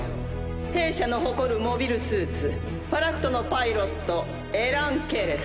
弊社の誇るモビルスーツファラクトのパイロットエラン・ケレス。